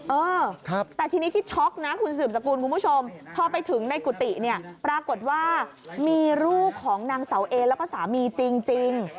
เออแต่ทีนี้ที่ช็อกนะคุณสืบสกุลคุณผู้ชมพอไปถึงในกุฏิเนี่ยปรากฏว่ามีลูกของนางเสาเอแล้วก็สามีจริง